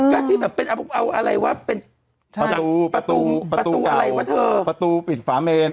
ขวิ้นเอาอะไรวะประตูประตูประตูประตูอะไรวะเธอประตูปิดฝาเมน